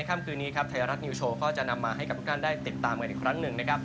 ค่ำคืนนี้ครับไทยรัฐนิวโชว์ก็จะนำมาให้กับทุกท่านได้ติดตามกันอีกครั้งหนึ่งนะครับ